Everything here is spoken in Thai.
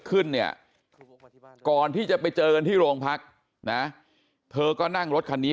ขึ้นเนี่ยก่อนที่จะไปเจอกันที่โรงพักนะเธอก็นั่งรถคันนี้